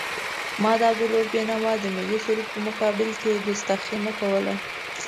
ما د عبدالرؤف بېنوا د ملي سرود په مقابل کې کستاخي نه کوله.